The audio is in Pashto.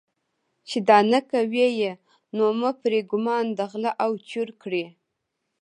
چې دا نه کوي یې نومه پرې ګومان د غله او چور کړي.